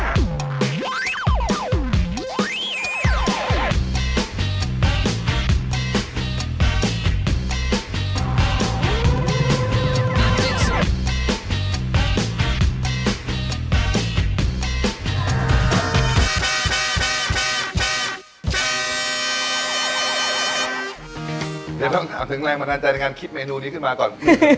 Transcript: เดี๋ยวต้องถามถึงแรงบันดาลใจในการคิดเมนูนี้ขึ้นมาก่อน